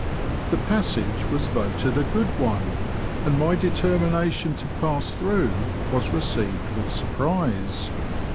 The passage was voted a good one, and my determination to pass through was received with surprise.